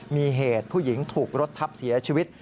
มีเหตุผู้หญิงถูกรถทับเสียชีวิต